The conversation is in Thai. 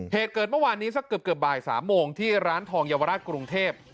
เหตุเกิดเมื่อวานนี้สักเกือบบ่าย๓โมงที่ร้านทองเยาวราชกรุงเทพ